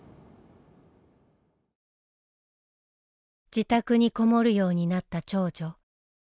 自宅にこもるようになった長女。